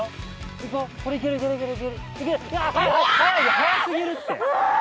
速すぎるって！